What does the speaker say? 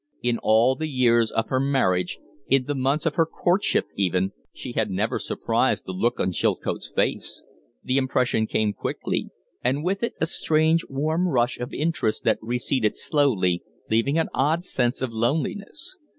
In all the years of her marriage, in the months of her courtship even, she had never surprised the look on Chilcote's face. The impression came quickly, and with it a strange, warm rush of interest that receded slowly, leaving an odd sense of loneliness.